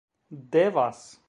devas